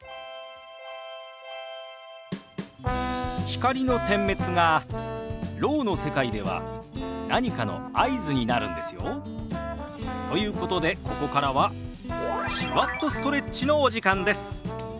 光の点滅がろうの世界では何かの合図になるんですよ。ということでここからは「手話っとストレッチ」のお時間です。